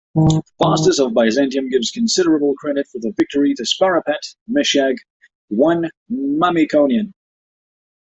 Faustus of Byzantium gives considerable credit for the victory to "sparapet" Mushegh I Mamikonian.